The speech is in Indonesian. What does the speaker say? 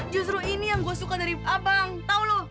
justru ini yang gua suka dari abang tau lu